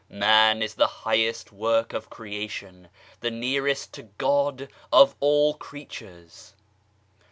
Man is the highest work of creation, the nearest to God of all creatures.